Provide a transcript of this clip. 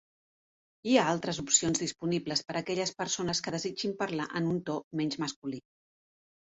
Hi ha altres opcions disponibles per a aquelles persones que desitgin parlar en un to menys masculí.